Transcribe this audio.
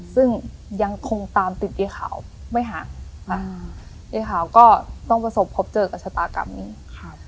ซึ่งยังคงตามติดยายขาวไม่ห่างค่ะยายขาวก็ต้องประสบพบเจอกับชะตากรรมนี้ครับ